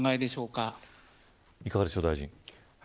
いかがでしょう、大臣。